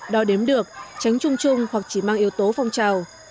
đo đếm được tránh trung trung hoặc chỉ mang yếu tố phong trào